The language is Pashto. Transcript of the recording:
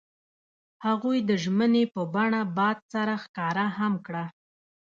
هغوی د ژمنې په بڼه باد سره ښکاره هم کړه.